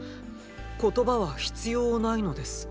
言葉は必要ないのです。